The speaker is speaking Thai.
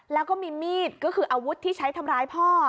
แล้วก็มีมีดก็คืออาวุธที่ใช้ทำร้ายพ่อ